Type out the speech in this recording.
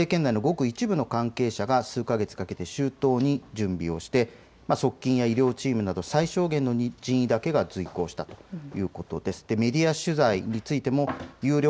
バイデン政権の高官によると政権内のごく一部の関係者が数か月かけて周到に準備をして側近や医療チームなど最小限の人員だけが随行したということです。